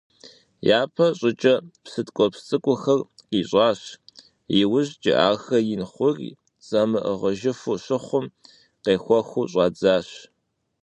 Япэ щӀыкӀэ псы ткӀуэпс цӀыкӀухэр къищӀащ, иужькӀэ ахэр ин хъури, замыӀыгъыжыфу щыхъум, къехуэхыу щӀадзащ.